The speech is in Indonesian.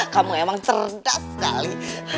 kamu emang cerdas sekali